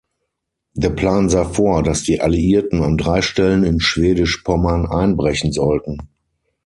Der Plan sah vor, dass die Alliierten an drei Stellen in Schwedisch-Pommern einbrechen sollten.